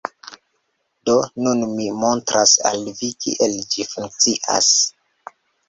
Do, nun mi montras al vi kiel ĝi funkcias